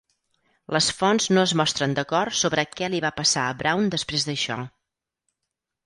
Les fonts no es mostren d'acord sobre què li va passar a Brown després d'això.